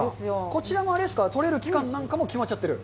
こちらもあれですか、取れる期間なんかも決まっちゃってる？